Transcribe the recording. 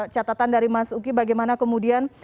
catatan dari mas uki bagaimana kemudian